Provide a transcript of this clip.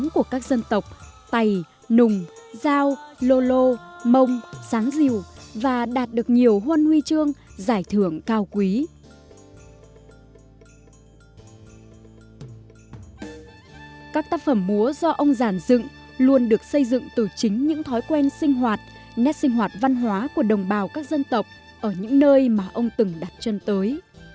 các tác phẩm múa do ông giản dựng luôn được xây dựng từ chính những thói quen sinh hoạt nét sinh hoạt văn hóa của đồng bào các dân tộc ở những nơi mà ông từng đặt chân tới